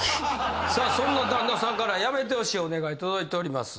さあそんな旦那さんからやめてほしいお願い届いております。